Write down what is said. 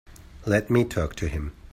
Let me talk to him.